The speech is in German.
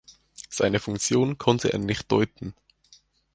Seine Funktion konnte er nicht deuten.